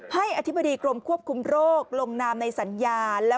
อธิบดีกรมควบคุมโรคลงนามในสัญญา